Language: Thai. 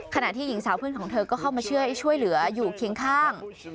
ขณะที่หญิงสาวเพื่อนของเธอก็เข้ามาช่วยเหลืออยู่เคียงข้าง